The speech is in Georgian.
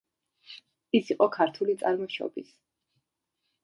ის იყო ქართული წარმოშობის.